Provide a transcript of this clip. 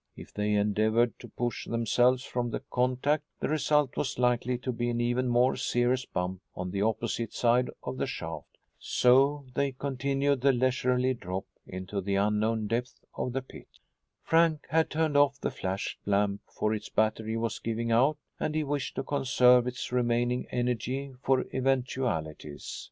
If they endeavored to push themselves from the contact the result was likely to be an even more serious bump on the opposite side of the shaft. So they continued the leisurely drop into the unknown depth of the pit. Frank had turned off the flashlamp, for its battery was giving out and he wished to conserve its remaining energy for eventualities.